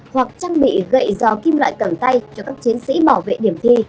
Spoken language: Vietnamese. hoặc trang bị gậy giò kim loại tầng tay cho các chiến sĩ bảo vệ điểm thi